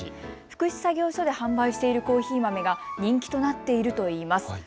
福祉作業所で販売しているコーヒー豆が人気となっているといいます。